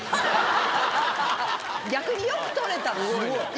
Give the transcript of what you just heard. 逆によく取れたね。